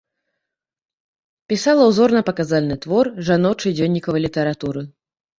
Пісала ўзорна-паказальны твор жаночай дзённікавай літаратуры.